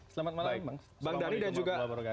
selamat malam bang